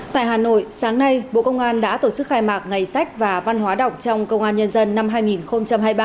tại hà nội sáng nay bộ công an đã tổ chức khai mạc ngày sách và văn hóa đọc trong công an nhân dân năm hai nghìn hai mươi ba